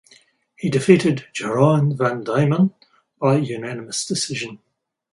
He defeated Jeroen van Diemen by unanimous decision.